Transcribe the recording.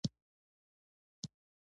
ملی ولې تریخ وي؟